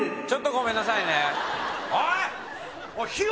ちょっとごめんなさいねおい！